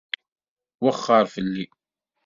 Wexxeṛ fell-i!